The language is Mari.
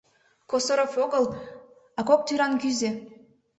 — Косоров огыл, а кок тӱран кӱзӧ!